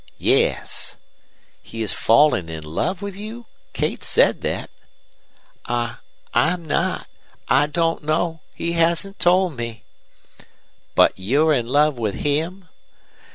"'Yes.' "'He has fallen in love with you? Kate said thet.' "'I I'm not I don't know he hasn't told me.' "'But you're in love with him?'